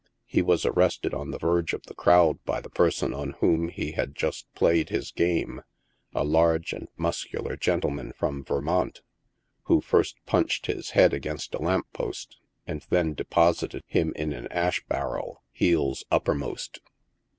He was arrested on the verge of the crowd by the person on whom he had just played his game — a large and muscu lar gentleman from Vermont — who first punched his head against a lamp post, and then deposited him in an ash barrel, heels upper most.